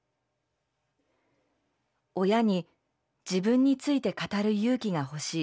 「親に自分について語る勇気がほしい。